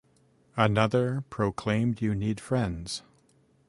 Another proclaimed You need friends.